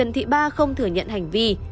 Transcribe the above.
trần thị ba không thử nhận hành vi